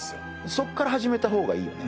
そっから始めた方がいいよね